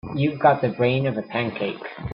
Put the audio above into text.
You've got the brain of a pancake.